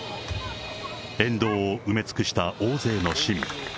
沿道を埋め尽くした大勢の市民。